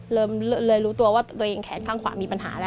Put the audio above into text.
เริ่มเลยรู้ตัวว่าตัวเองแขนข้างขวามีปัญหา